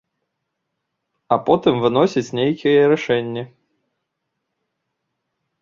А потым выносіць нейкія рашэнні.